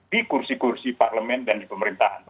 di kursi kursi parlemen dan di pemerintahan